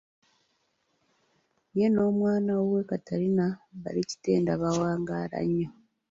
Ye n'omwana waaweo Katarina Mpaalikitenda baawangaala nnyo.